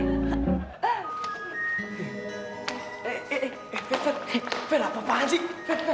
eh eh eh eh retan vel apa apaan sih